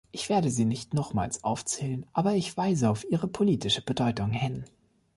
Ich werde sie nicht nochmals aufzählen, aber ich weise auf ihre politische Bedeutung hin.